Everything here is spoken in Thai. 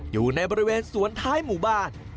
อยู่ในบริเวณสวนท้ายหมู่บ้าน